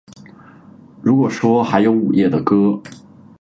如果说还有午夜的歌